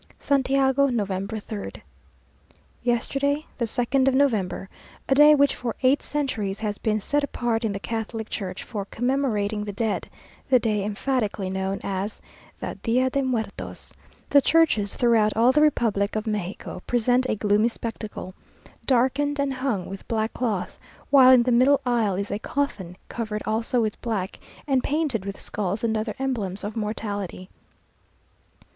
Santiago, November 3rd. Yesterday, the second of November, a day which for eight centuries has been set apart in the Catholic Church for commemorating the dead, the day emphatically known as the "Día de Muertos," the churches throughout all the Republic of Mexico present a gloomy spectacle; darkened and hung with black cloth, while in the middle aisle is a coffin, covered also with black, and painted with skulls and other emblems of mortality.